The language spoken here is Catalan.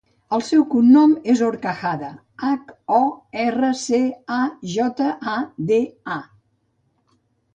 El seu cognom és Horcajada: hac, o, erra, ce, a, jota, a, de, a.